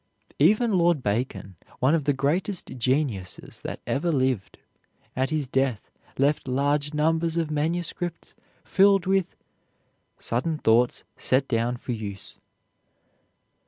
Even Lord Bacon, one of the greatest geniuses that ever lived, at his death left large numbers of manuscripts filled with "sudden thoughts set down for use."